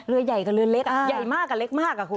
เรือใหญ่กับเรือเล็กใหญ่มากกว่าเล็กมากอ่ะคุณ